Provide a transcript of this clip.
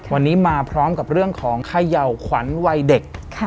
วันนี้มาพร้อมกับเรื่องของเขย่าขวัญวัยเด็ก